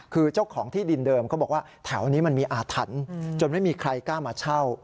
คือเจ้าของที่ดินเดิมเขาบอกว่าแถวนี้มันมีอาถรรพ์จนไม่มีใครกล้ามาเช่า